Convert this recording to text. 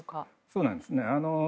そうなんですね。